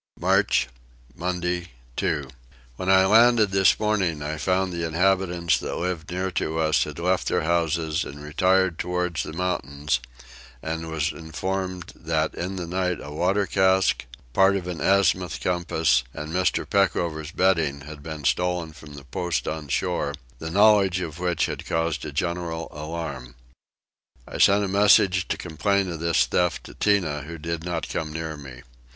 March. Monday 2. When I landed this morning I found the inhabitants that lived near to us had left their houses and retired towards the mountains; and was informed that in the night a water cask, part of an azimuth compass, and Mr. Peckover's bedding, had been stolen from the post on shore; the knowledge of which had caused a general alarm. I sent a message to complain of this theft to Tinah who did not come near me.